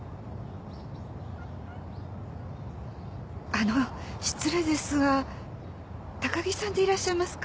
・あの失礼ですが高木さんでいらっしゃいますか？